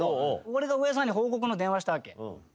俺が上田さんに報告の電話したわけ。